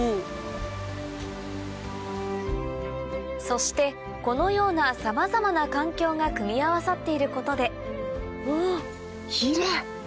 そしてこのようなさまざまな環境が組み合わさっていることでわ。